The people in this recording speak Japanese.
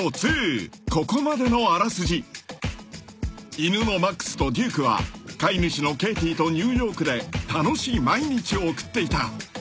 ［犬のマックスとデュークは飼い主のケイティとニューヨークで楽しい毎日を送っていた］